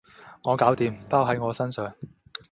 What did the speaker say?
我搞掂，包喺我身上